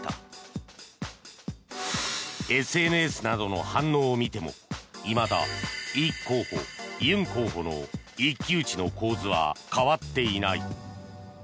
ＳＮＳなどの反応を見てもいまだイ候補、ユン候補の一騎打ちの構図は変わっていない。